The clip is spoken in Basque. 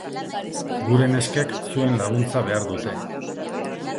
Gure neskek zuen laguntza behar dute!